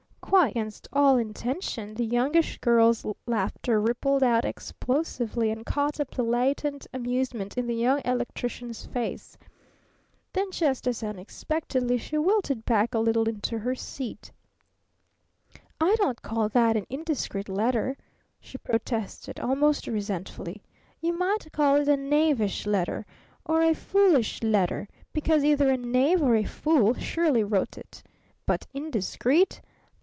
Quite against all intention, the Youngish Girl's laughter rippled out explosively and caught up the latent amusement in the Young Electrician's face. Then, just as unexpectedly, she wilted back a little into her seat. "I don't call that an 'indiscreet letter'!" she protested almost resentfully. "You might call it a knavish letter. Or a foolish letter. Because either a knave or a fool surely wrote it! But 'indiscreet'?